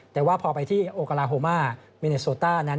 แต่ว่าพอไปที่โอกาลาโฮมาเมเนสโซต้านั้น